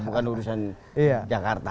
bukan urusan jakarta